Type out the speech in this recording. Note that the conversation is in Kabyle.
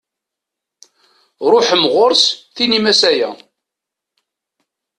Ruḥem ɣur-s tinim-as aya.